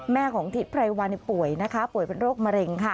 ของทิศไพรวันป่วยนะคะป่วยเป็นโรคมะเร็งค่ะ